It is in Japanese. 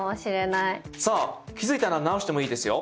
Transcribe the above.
気付いたなら直してもいいですよ。